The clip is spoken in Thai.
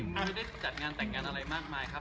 ไม่ได้จัดการแต่งงานอะไรมากมายครับ